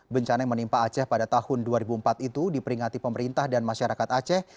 bencana yang menimpa aceh pada tahun dua ribu empat itu diperingati pemerintah dan masyarakat aceh